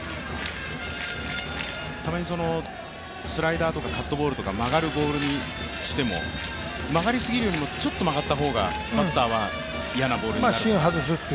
たまにスライダーとかカットボールとか曲がるボールにしても曲がりすぎるよりもちょっと曲がった方がバッターは嫌なボールになると。